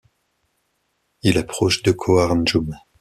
Il est proche de Koarnjum.